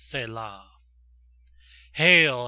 Selah. Hail!